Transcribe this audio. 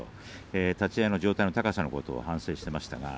立ち合いの状態の高さを反省していました。